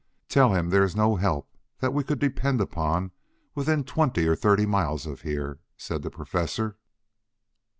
"Tell him there is no help that we could depend upon, within twenty or thirty miles of here," said the Professor.